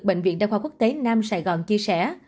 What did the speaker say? bệnh viện đa khoa quốc tế nam sài gòn chia sẻ